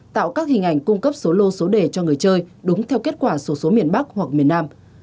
tạo các hình ảnh cung cấp số lô số đề cho người chơi đúng theo kết quả số số miền bắc hoặc miền nam